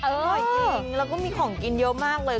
อร่อยจริงแล้วก็มีของกินเยอะมากเลย